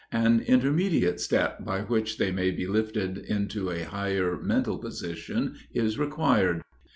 An intermediate step, by which they may be lifted into a higher mental position, is required.